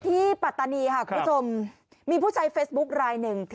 ปัตตานีค่ะคุณผู้ชมมีผู้ใช้เฟซบุ๊คลายหนึ่ง